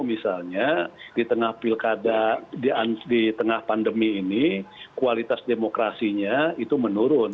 misalnya di tengah pandemi ini kualitas demokrasinya itu menurun